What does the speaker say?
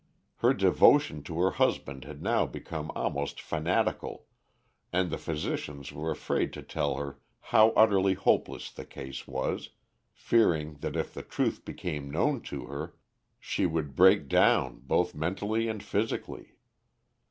Her devotion to her husband had now become almost fanatical, and the physicians were afraid to tell her how utterly hopeless the case was, fearing that if the truth became known to her, she would break down both mentally and physically.